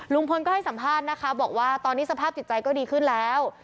ลุงพลก็ให้สัมภาษณ์นะคะบอกว่าตอนนี้สภาพจิตใจก็ดีขึ้นแล้ว